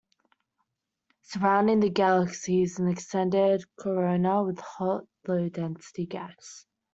Surrounding the galaxy is an extended corona with hot, low density gas.